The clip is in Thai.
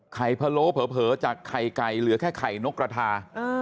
พะโลเผลอจากไข่ไก่เหลือแค่ไข่นกกระทา